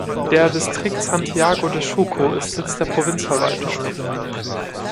Der Distrikt Santiago de Chuco ist Sitz der Provinzverwaltung.